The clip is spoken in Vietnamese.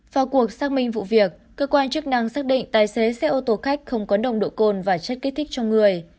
vào cuộc xác minh vụ việc cơ quan chức năng xác định tài xế xe ô tô khách không có nồng độ cồn và chất kích thích trong người